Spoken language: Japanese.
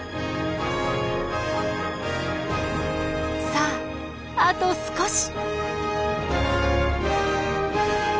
さああと少し！